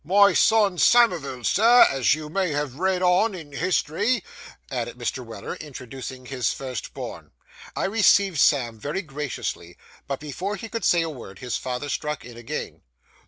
—My son Samivel, sir, as you may have read on in history,' added Mr. Weller, introducing his first born. I received Sam very graciously, but before he could say a word his father struck in again.